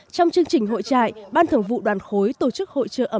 trong chương trình hội trại ban thường vụ đoàn khối tổ chức hội trợ ẩm